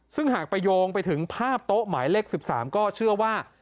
ซึ่งหากไปโยงไปถึงภาพโต๊ะหมายเลข๑๓ก็เชื่อว่า